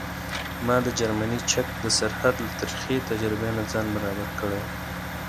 ما د جرمني چک د سرحد له ترخې تجربې نه ځان برابر کړی و.